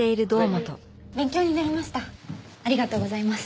ありがとうございます。